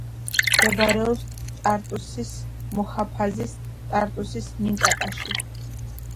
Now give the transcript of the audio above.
მდებარეობს ტარტუსის მუჰაფაზის ტარტუსის მინტაკაში.